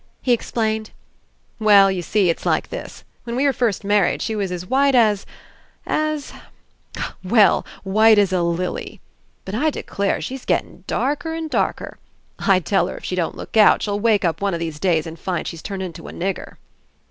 He explained: "Well, you see, it's like this. When we were first married, she was as white as — as — well as white as a lily. But I declare she's gettin' darker and darker. I tell her if she don't look out, she'll wake up one of these days and find she's turned into a nigger."